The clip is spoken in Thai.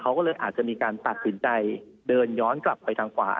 เขาก็เลยอาจจะมีการตัดสินใจเดินย้อนกลับไปทางขวา